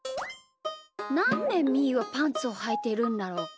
なんでみーはパンツをはいてるんだろう。